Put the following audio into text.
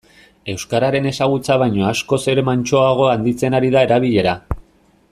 Euskararen ezagutza baino askoz ere mantsoago handitzen ari da erabilera.